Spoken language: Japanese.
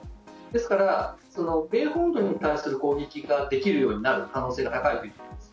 ですから、米本土に対する攻撃ができるようになる可能性が高いと思います。